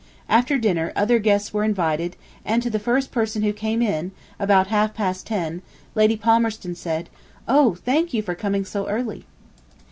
After dinner other guests were invited and to the first person who came in, about half past ten, Lady Palmerston said: "Oh, thank you for coming so early."